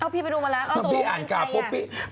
พี่ไปดูมาแล้วเอาตัวเป็นใครอ่ะ